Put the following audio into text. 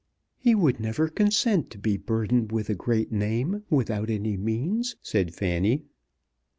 "He would never consent to be burdened with a great name without any means," said Fanny.